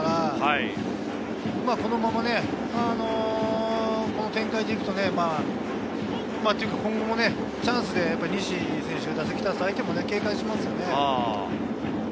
このままの展開で行くと今後もチャンスで西選手、打席に立つと相手も警戒しますよね。